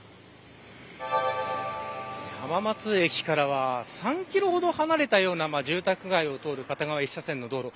浜松駅からは３キロほど離れたような住宅街を通る片側１車線の道路。